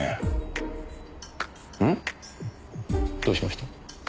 どうしました？